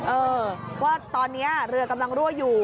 เออว่าตอนนี้เรือกำลังรั่วอยู่